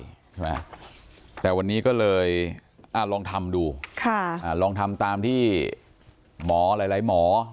ใช่ไหมแต่วันนี้ก็เลยลองทำดูลองทำตามที่หมอหลายหมอ